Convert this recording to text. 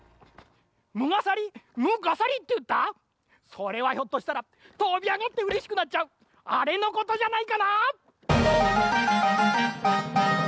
それはひょっとしたらとびあがってうれしくなっちゃうあれのことじゃないかな？